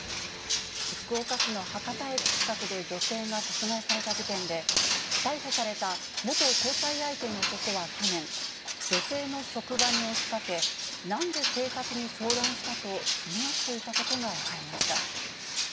福岡市の博多駅近くで女性が殺害された事件で、逮捕された元交際相手の男は去年、女性の職場に押しかけ、なんで警察に相談したと、詰め寄っていたことが分かりました。